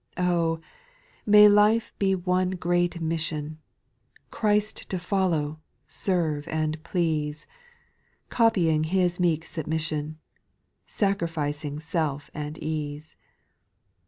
• 2. ( Oh I may life bo one great mission, Christ to follow, serve, and please, Copying His meek submission. Sacrificing self and ease.